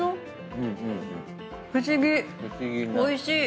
おいしい！